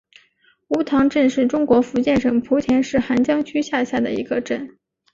梧塘镇是中国福建省莆田市涵江区下辖的一个镇。